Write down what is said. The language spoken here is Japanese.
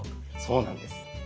そうなんです。